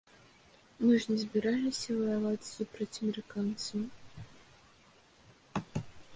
Мы ж не збіраліся ваяваць супраць амерыканцаў.